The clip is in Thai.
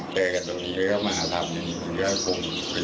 ก็คิดว่ามันเป็นกรรมของแก